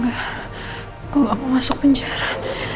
udah aku gak mau masuk penjara